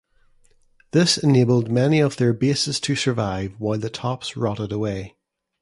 This enabled many of their bases to survive while the tops rotted away.